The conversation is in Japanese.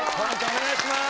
お願いします！